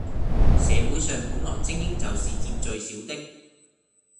社會上本來精英就是佔最少的